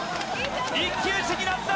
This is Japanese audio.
一騎打ちになった！